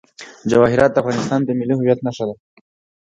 جواهرات د افغانستان د ملي هویت نښه ده.